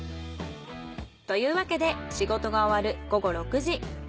というわけで仕事が終わる午後６時。